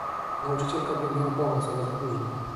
"Nauczycielka biegnie na pomoc, ale za późno."